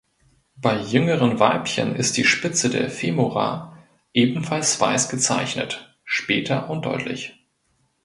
Bei jüngeren Weibchen ist die Spitze der Femora ebenfalls weiß gezeichnet (später undeutlich).